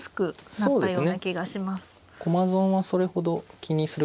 そうですね。